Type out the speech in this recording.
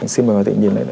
xin mời quý vị nhìn lại